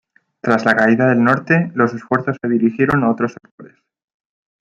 Tras la caída del Norte, los esfuerzos se dirigieron a otros sectores.